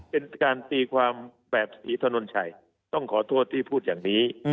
เป็นการตีความแบบศรีถนนชัยต้องขอโทษที่พูดอย่างนี้